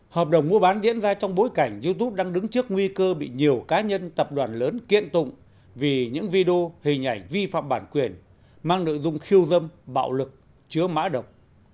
hợp đồng mua bán diễn ra trong bối cảnh youtube đang đứng trước nguy cơ bị nhiều cá nhân tập đoàn lớn kiện tụng vì những video hình ảnh vi phạm bản quyền mang nội dung khiêu dâm bạo lực chứa mã độc